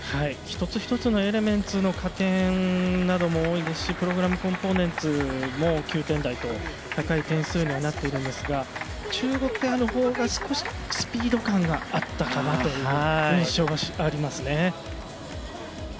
一つ一つのエレメンツの加点なども多いですしプログラムコンポーネンツも９点台と高い点数になっていますが中国ペアのほうが少しスピード感があったかなという印象がありますね。